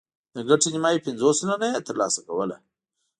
د ګټې نیمايي پنځوس سلنه یې ترلاسه کوله